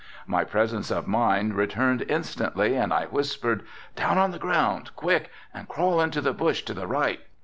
My presence of mind returned instantly and I whispered, "down on the ground, quick and crawl into the bush to the right."